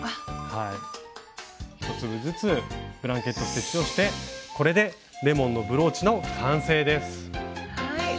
１粒ずつブランケット・ステッチをしてこれでレモンのブローチの完成です。